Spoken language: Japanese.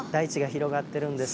広がってるんですね。